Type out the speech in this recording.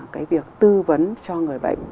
cái việc tư vấn cho người bệnh